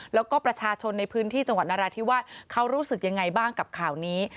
แล้วก็ประชาชนในพื้นที่จังหวัดนราธิวาสเขารู้สึกยังไงบ้างกับข่าวนี้